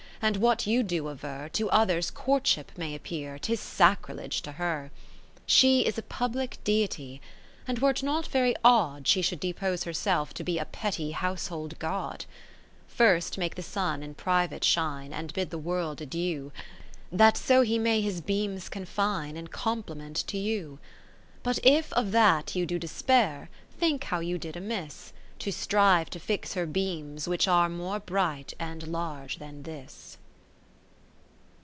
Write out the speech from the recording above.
And what you do aver. To others courtship may appear, 'Tis sacrilege to her. II She is a public Deity, And were't not very odd She should depose herself to be A petty household god ? Ill First make the Sun in private shine, And bid the World adieu, 10 That so he may his beams confine In compliment to you. IV But if of that you do despair, Think how you did amiss. To strive to fix her beams which are More bright and large than this.